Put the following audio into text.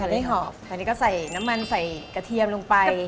ตอนนี้ก็ใส่น้ำมันใส่กระเทียมลงไป